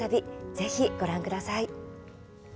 ぜひ、ご覧ください。